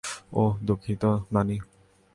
ওহ, দুঃখিত, নানী।